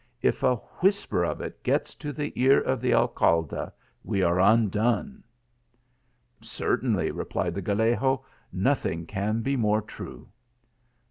If a whisper of it gets to the ear of the Alcalde we are uudone !"" Certainly !" replied the Gallego ;" nothing can be more true."